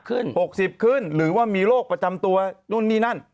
๖๐ขึ้นหรือว่ามีโรคประจำตัวนู่นนี่นั่น